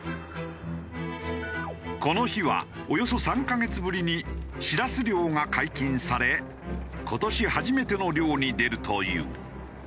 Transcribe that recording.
この日はおよそ３カ月ぶりにしらす漁が解禁され今年初めての漁に出るという。